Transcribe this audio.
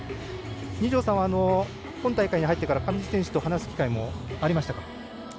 二條さん、今大会に入ってから上地選手と話す機会もありましたか？